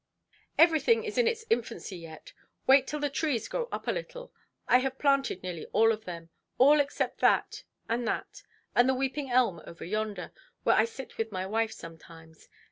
"Everything is in its infancy yet. Wait till the trees grow up a little. I have planted nearly all of them. All except that, and that, and the weeping elm over yonder, where I sit with my wife sometimes.